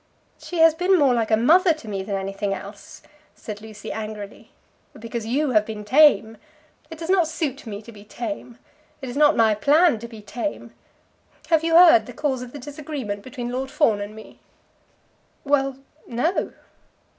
"She has been more like a mother to me than anything else," said Lucy angrily. "Because you have been tame. It does not suit me to be tame. It is not my plan to be tame. Have you heard the cause of the disagreement between Lord Fawn and me?" "Well, no."